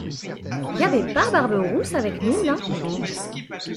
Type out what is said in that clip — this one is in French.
Y avait pas barbe rousse avec nous là?